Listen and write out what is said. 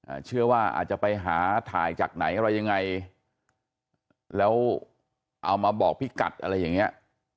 เชื่อว่าอาจจะไปหาถ่ายจากไหนอะไรยังไงแล้วเอามาบอกพี่กัดอะไรอย่างเงี้ย